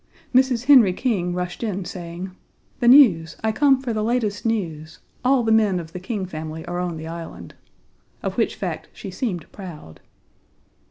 Mrs. Henry King rushed in saying, "The news, I come for the latest news. All the men of the King family are on the Island," of which fact she seemed proud.